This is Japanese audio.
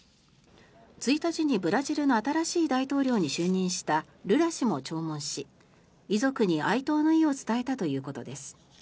１日にブラジルの新しい大統領に就任したルラ氏も弔問し遺族に哀悼の意を伝えたということです。